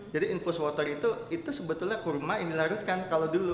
jadi infus water itu sebetulnya kurma yang dilarutkan kalau dulu